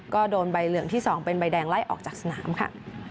ก็โดนใบเหลืองที่๒เป็นใบแดงไล่ออกจากสนามค่ะ